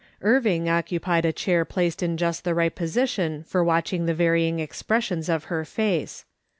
Irving occupied a chair placed in just the right position for watch ing the varying expressions of her face.